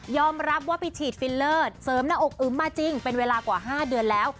รับว่าไปฉีดฟิลเลอร์เสริมหน้าอกอึมมาจริงเป็นเวลากว่า๕เดือนแล้ว